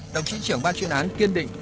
đồng chí trưởng ban chuyên án kiên định